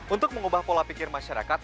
untuk mengubah pola pikir masyarakat